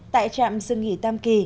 tại trạm dừng nghỉ tam kỳ